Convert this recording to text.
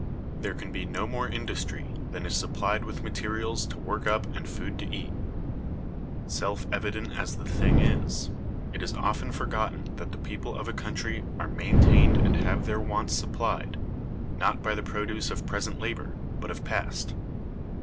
There can be no more industry than is supplied with materials to work up and food to eat. Self evident as the thing is, it is often forgotten that the people of a country are maintained and have their wants supplied, not by the produce of present labor, but of past.